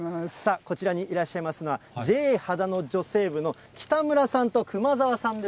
こちらにいらっしゃいますのは、ＪＡはだの女性部の北村さんと熊澤さんです。